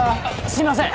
すいません。